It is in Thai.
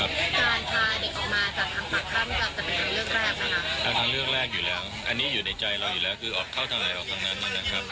อันนั้นตอบทางเลือกแรกอยู่แล้วอันนี้อยู่ในใจเราอยู่แล้วออกเข้าทางไหนออกทางนั้นน่ะนะครับ